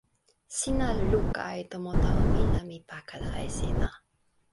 sina luka e tomo tawa mi la mi pakala e sina.